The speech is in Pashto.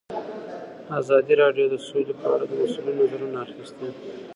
ازادي راډیو د سوله په اړه د مسؤلینو نظرونه اخیستي.